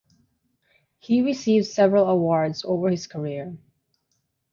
He received several awards over his career.